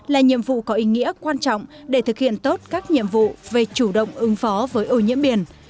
là nhiệm vụ có ý nghĩa quan trọng để thực hiện tốt các nhiệm vụ về chủ động ứng phó với ô nhiễm biển